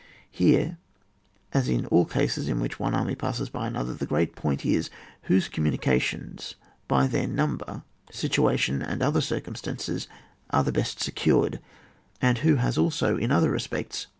Here, as in all cases in which one army passes by another, the great point is, whose communications, by their num ber, situation, and other circumstances, are the best secured, and which has also, in other respects